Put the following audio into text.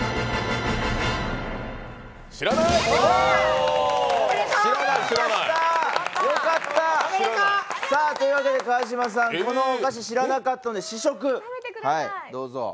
知らない！よかった。というわけで、川島さん、このお菓子、知らなかったので、試食、どうぞ。